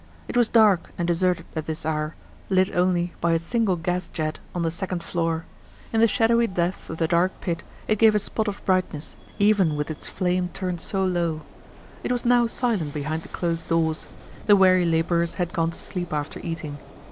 It was dark and deserted at this hour, lit only by a single gas jet on the second floor. In the shadowy depths of the dark pit, it gave a spot of brightness, even with its flame turned so low. It was now silent behind the closed doors; the weary laborers had gone to sleep after eating.